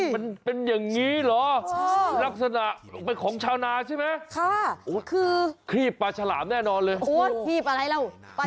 แล้วมันจะต้องมีผ่านไถนา